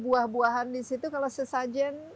buah buahan di situ kalau sesajen